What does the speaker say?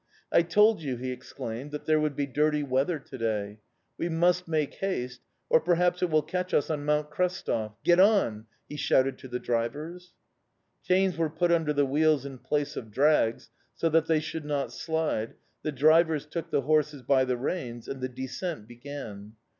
"I told you," he exclaimed, "that there would be dirty weather to day! We must make haste, or perhaps it will catch us on Mount Krestov. Get on!" he shouted to the drivers. Chains were put under the wheels in place of drags, so that they should not slide, the drivers took the horses by the reins, and the descent began.